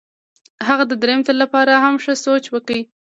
هغه د درېیم ځل لپاره هم ښه سوچ وکړ.